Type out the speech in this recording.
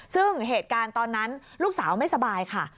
ซึ่งเหตุการณ์ตอนนั้นลูกสาวไม่สบายค่ะ